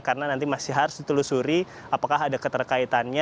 karena nanti masih harus ditelusuri apakah ada keterkaitannya